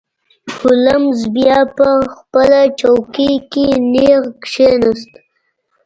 هولمز بیا په خپله څوکۍ کې نیغ کښیناست.